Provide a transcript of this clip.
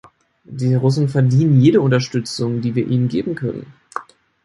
Die Russen verdienen jede Unterstützung, die wir ihnen geben können.